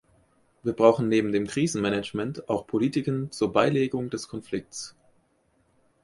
Wir brauchen neben dem Krisenmanagement auch Politiken zur Beilegung des Konflikts.